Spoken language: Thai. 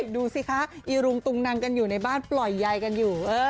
ดูสิคะอีรุงตุงนังกันอยู่ในบ้านปล่อยใยกันอยู่